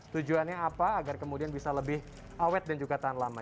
tujuannya apa agar kemudian bisa lebih awet dan juga tahan lama